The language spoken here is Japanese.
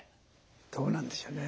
どうなんでしょうねぇ。